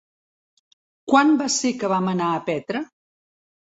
Quan va ser que vam anar a Petra?